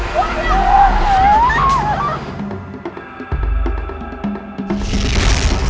basir aku ikut